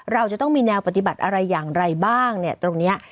เราจะต้องมีแนวปฏิบัติอะไรอย่างไรบ้างเนี่ยตรงนี้